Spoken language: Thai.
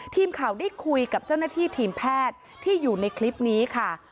ทีมข่าวได้คุยกับเจ้าหน้าที่ทีมแพทย์ที่อยู่ในคลิปนี้ค่ะ